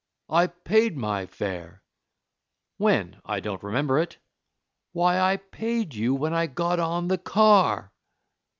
"I paid my fare." "When? I don't remember it." "Why, I paid you when I got on the car."